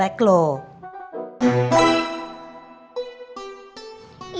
nanti mukanya jelek lho